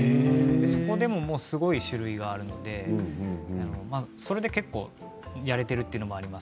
でもすごい種類があるのでそれで結構やれているということもあります。